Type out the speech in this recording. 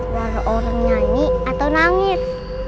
nah orang nyanyi atau nangis